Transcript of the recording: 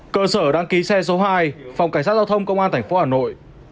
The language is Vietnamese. cơ sở đăng ký xe số hai phòng cảnh sát giao thông công an tp hà nội